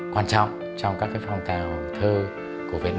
có những cái đóng góp quan trọng trong các phong tàu thơ của việt nam